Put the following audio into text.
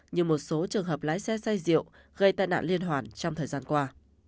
như một số trường hợp lái xe xay rượu gây tai nạn liên hoàn trong thời gian qua